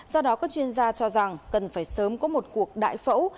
do đó các chuyên gia cho rằng cần phải sớm có một cuộc đại phẫu